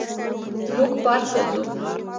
موږ پارک ته ځو